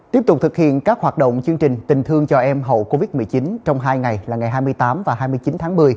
tiếp tục thực hiện các hoạt động chương trình tình thương cho em hậu covid một mươi chín trong hai ngày là ngày hai mươi tám và hai mươi chín tháng một mươi